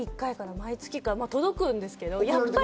毎月か届くんですけど。